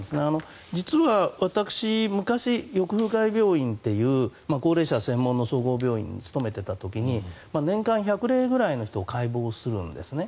実は私、昔に高齢者専門の総合病院に勤めていた時に年間１００例ぐらいの人を解剖するんですね。